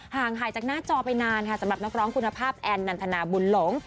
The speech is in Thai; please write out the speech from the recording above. ห่างหายจากหน้าจอไปนานค่ะสำหรับนักร้องคุณภาพแอนนันทนาบุญหลง